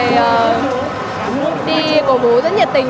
đi cổ vũ rất nhiệt tình